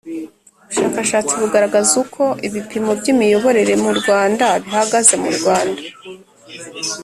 ubushakashatsi bugaragaza uko ibipimo by imiyoborere mu Rwanda bihagaze Rwanda